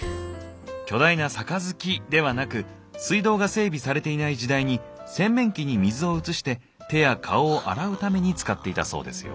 巨大な杯ではなく水道が整備されていない時代に洗面器に水を移して手や顔を洗うために使っていたそうですよ。